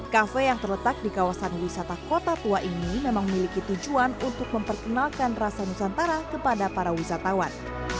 kafe yang terletak di kawasan wisata kota tua ini memang memiliki tujuan untuk memperkenalkan rasa nusantara kepada para wisatawan